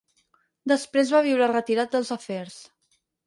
Després va viure retirat dels afers.